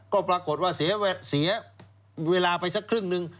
ก็ปรากฏว่าเสียเวลาไปสักครึ่งหนึ่ง